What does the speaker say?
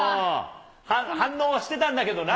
反応はしてたんだけどな。